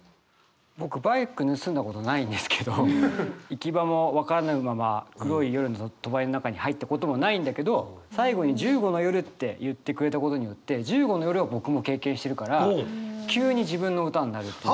僕バイク盗んだことないんですけど行き場も解らぬまま黒い夜の帳りの中に入ったこともないんだけど最後に「１５の夜」って言ってくれたことによって１５の夜は僕も経験してるから急に自分の歌になるっていう。